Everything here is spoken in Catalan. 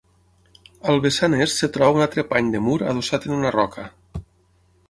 Al vessant est es troba un altre pany de mur adossat en una roca.